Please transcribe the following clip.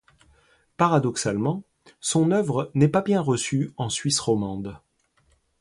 Paradoxalement, son œuvre n'est pas bien reçue en Suisse romande.